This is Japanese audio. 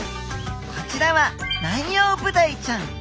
こちらはナンヨウブダイちゃん。